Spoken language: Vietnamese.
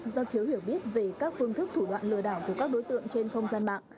do thiếu hiểu biết về các phương thức thủ đoạn lừa đảo của các đối tượng trên không gian mạng